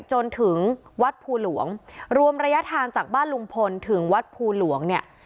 จนถึงวัดภูหลวงรวมระยะทางจากบ้านลุงพลถึงวัดภูหลวงเนี่ย